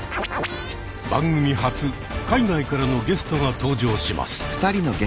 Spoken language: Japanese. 番組初海外からのゲストが登場します。